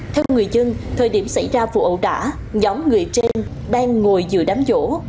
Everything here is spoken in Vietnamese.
theo người dân thời điểm xảy ra vụ ẩu đả nhóm người trên đang ngồi dựa đám vỗ